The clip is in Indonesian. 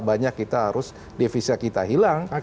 banyak kita harus devisa kita hilang